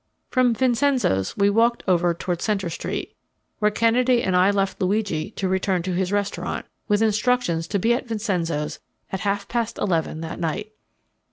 From Vincenzo's we walked over toward Center Street, where Kennedy and I left Luigi to return to his restaurant, with instructions to be at Vincenzo's at half past eleven that night.